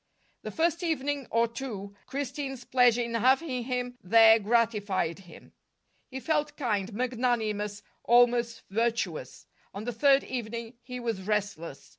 The first evening or two Christine's pleasure in having him there gratified him. He felt kind, magnanimous, almost virtuous. On the third evening he was restless.